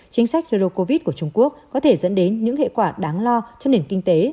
chính sách rô covid của trung quốc có thể dẫn đến những hệ quả đáng lo cho nền kinh tế